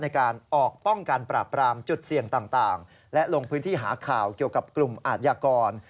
ในการออกป้องกันปราบปรามจุดเสี่ยงต่างและลงพื้นที่หาข่าวเกี่ยวกับกลุ่มอาทยากร